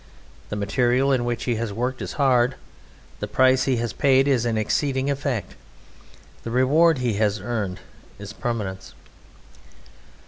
The material in which he has worked is hard; the price he has paid is an exceeding effect; the reward he has earned is permanence.